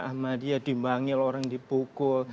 ahmadiyah dibanggil orang dipukul